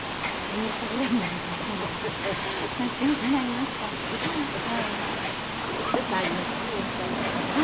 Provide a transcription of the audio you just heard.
インスタグラムは。